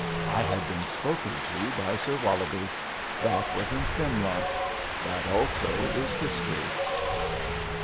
/ had been spoken to by Sir Wollobie. That was in Simla. That also is history.